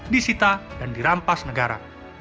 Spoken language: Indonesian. disita dan dirampas negara